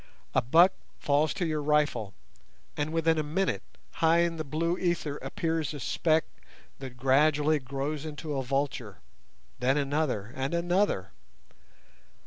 A buck falls to your rifle, and within a minute high in the blue ether appears a speck that gradually grows into a vulture, then another, and another.